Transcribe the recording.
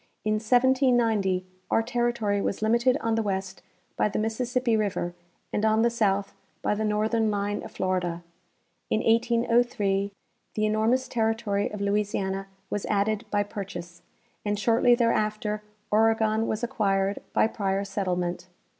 In 1790 our terri tory was limited on the west by the Mississippi river and on the south by the northern line of Florida. In 1803 the enormous territory of Louisiana was added by jDurchase, and shortly there after Oregon was acquired by prior settlement.